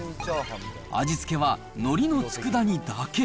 味付けは、のりのつくだ煮だけ。